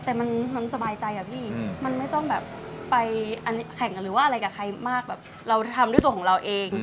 แต่มันสบายใจอะพี่มันไม่ต้องแบบไปแข่งหรือว่าอะไรกับใครมากแบบเราทำด้วยตัวของเราเอง